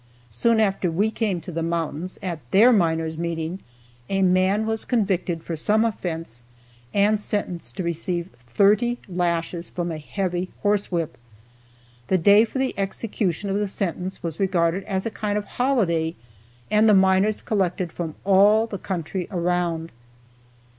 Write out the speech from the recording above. Soon after we came to the mountains, at their miners' meeting a man was convicted for some offence and sentenced to receive thirty lashes from a heavy horsewhip. The day for the execution of the sentence was regarded as a kind of holiday and the miners collected from all the country around.